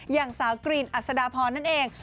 อย่างสาวกรีนอัศดาพรนั่นเอง